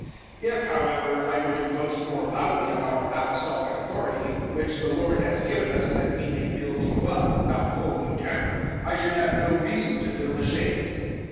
010:008 If, however, I were to boast more loudly of our Apostolic authority, which the Lord has given us that we may build you up, not pull you down, I should have no reason to feel ashamed.